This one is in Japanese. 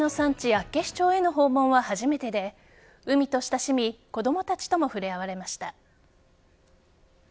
厚岸町への訪問は初めてで海と親しみ子供たちとも触れ合われました。